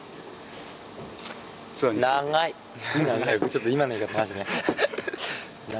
ちょっと今の言い方なしね。